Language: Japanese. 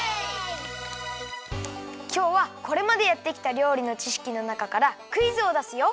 きょうはこれまでやってきた料理のちしきのなかからクイズをだすよ。